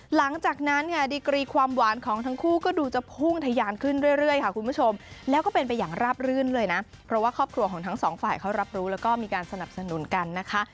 หลังจากนั้นเนี่ยดีกรีความหวานของทั้งคู่ก็ดูจะพุ่งทะยานขึ้นเรื่อยค่ะคุณผู้ชมแล้วก็เป็นไปอย่างราบรื่นเลยนะเพราะว่าครอบครัวของทั้งสองฝ่ายเขารับรู้แล้วก็มีการสนับสนุนกันนะคะ